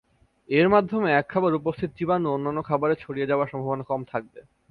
এর মাধ্যমে এক খাবারে উপস্থিত জীবাণু অন্যান্য খাবারে ছড়িয়ে যাওয়ার সম্ভাবনা কম থাকবে।